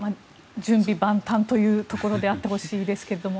準備万端というところであってほしいですが。